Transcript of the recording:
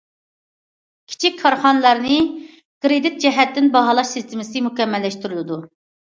كىچىك كارخانىلارنى كىرېدىت جەھەتتىن باھالاش سىستېمىسى مۇكەممەللەشتۈرۈلىدۇ.